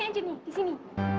kita ngapain sih disini